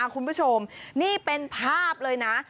คุณผู้ชมนี่เป็นภาพเลยนะ